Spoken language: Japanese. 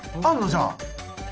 じゃあ。